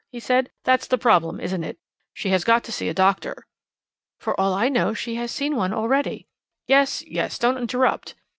he said. "That's the problem, isn't it? She has got to see a doctor." "For all I know she has seen one already." "Yes, yes; don't interrupt."